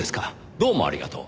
どうもありがとう。